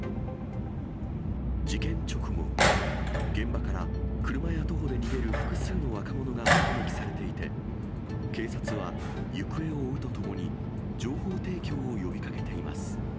事件直後、現場から車や徒歩で逃げる複数の若者が目撃されていて、警察は、行方を追うとともに、情報提供を呼びかけています。